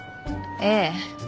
ええ。